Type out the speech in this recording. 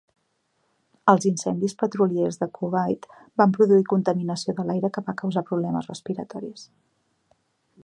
Els incendis petroliers de Kuwait van produir contaminació de l'aire que va causar problemes respiratoris.